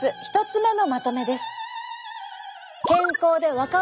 １つ目のまとめです。